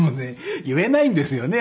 言えないんですよね。